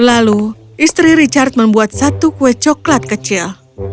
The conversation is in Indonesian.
lalu istri richard membuat satu kue coklat kecil